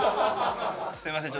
すみません。